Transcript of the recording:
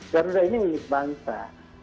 garuda ini unik bangsa